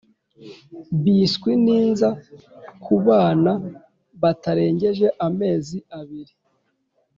Biswi ninza kubana batarengeje amezi abiri